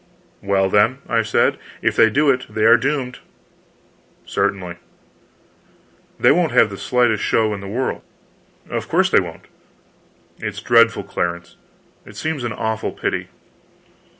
"Well, then," I said, "if they do it they are doomed." "Certainly." "They won't have the slightest show in the world." "Of course they won't." "It's dreadful, Clarence. It seems an awful pity."